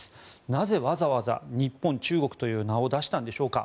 なぜわざわざ日本、中国という名を出したんでしょうか。